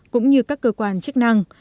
cũng như các cơ quan chức năng